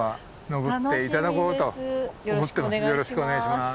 よろしくお願いします。